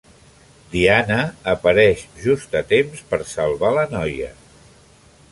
Diana apareix just a temps per salvar la noia.